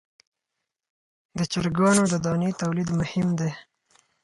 د چرګانو د دانې تولید مهم دی